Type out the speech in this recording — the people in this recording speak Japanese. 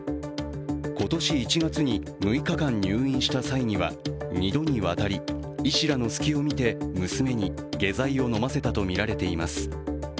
今年１月に６日間入院した際には２度にわたり、医師らの隙を見て娘に下剤を飲ませたとみられています。